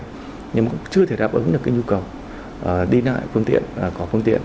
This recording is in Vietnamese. nhưng mà cũng chưa thể đáp ứng được cái nhu cầu đi lại phương tiện có phương tiện